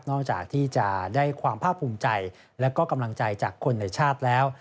จากที่จะได้ความภาคภูมิใจและก็กำลังใจจากคนในชาติแล้ว